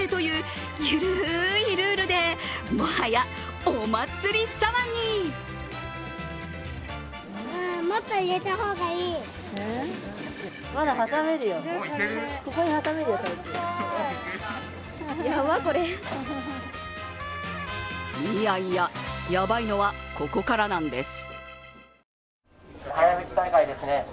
いやいや、やばいのはここからなんです。